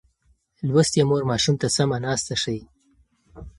لوستې مور ماشوم ته سمه ناسته ښيي.